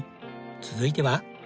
続いては。